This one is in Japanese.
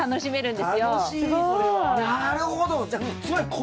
すごい。